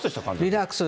リラックス。